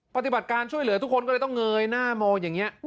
ปฏิบัติการช่วยเหลือทุกคนก็เลยต้องเงยหน้ามองอย่างนี้